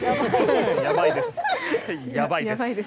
やばいです。